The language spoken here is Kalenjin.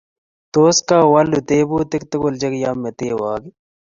Tos kaowalu tyeputik tukul che kiametowok ii?